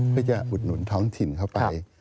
เพื่อจะอุดหนุนท้องถิ่นเข้าไป